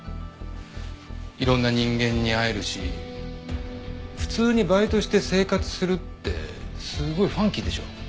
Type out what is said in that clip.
いろんな人間に会えるし普通にバイトして生活するってすごいファンキーでしょ。